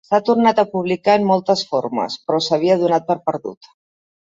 S'ha tornat a publicar en moltes formes, però s'havia donat per perdut.